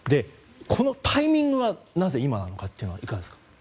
このタイミング、なぜ今なのかというのは、いかがですか？